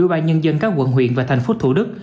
ủy ban nhân dân các quận huyện và thành phố thủ đức